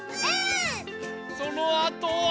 そのあとは。